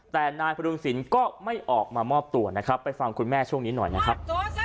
แต่นายพระดุงศิลป์ก็ไม่ออกมามอบตัวนะครับไปฟังคุณแม่ช่วงนี้หน่อยนะครับ